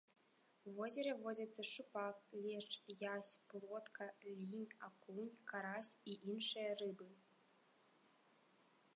У возеры водзяцца шчупак, лешч, язь, плотка, лінь, акунь, карась і іншыя рыбы.